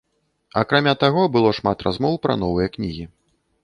Акрамя таго, было шмат размоў пра новыя кнігі.